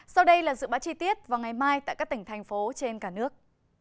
sau đây là dự bá chi tiết vào ngày mai tại các tỉnh thành phố trên cả nước